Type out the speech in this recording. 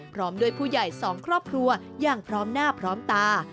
พร้อมด้วยผู้ใหญ่สองครอบครัวอย่างพร้อมหน้าพร้อมตา